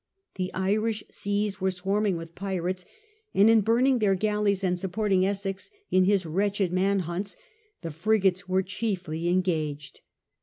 The Irish seas were swarming with pirates, and in burning their galleys and supporting Essex in his wretched man hunts, the frigates were chiefly engaged.